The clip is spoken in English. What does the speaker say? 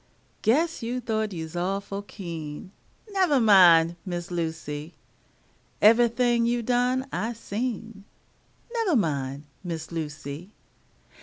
Guess you thought you's awful keen; Nevah min', Miss Lucy. Evahthing you done, I seen; Nevah min', Miss Lucy.